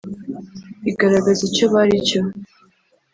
igaragaza icyo bari cyo